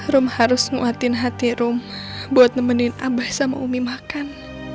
rom harus nguatin hati rum buat nemenin abah sama umi makan